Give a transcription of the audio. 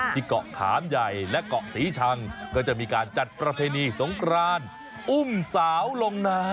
ที่เกาะขามใหญ่และเกาะศรีชังก็จะมีการจัดประเพณีสงครานอุ้มสาวลงน้ำ